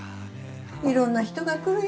いろんな人が来るよ